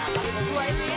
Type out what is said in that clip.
lagi dua ini